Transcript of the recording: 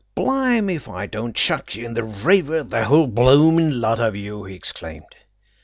"Blime if I don't chuck ye in the river, the whole bloomin' lot of you!" he exclaimed.